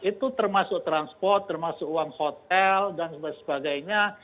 itu termasuk transport termasuk uang hotel dan sebagainya